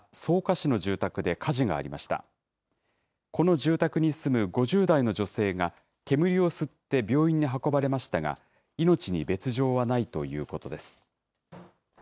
この住宅に住む５０代の女性が、煙を吸って病院に運ばれましたが、命に別状はないということです。